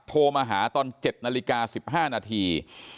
โทรมาหาตอน๗นาฬิกา๑๕นาที